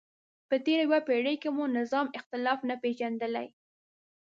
په تېره یوه پیړۍ کې مو نظام اختلاف نه پېژندلی.